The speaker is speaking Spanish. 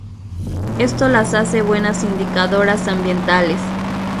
Esto las hace buenas indicadoras ambientales.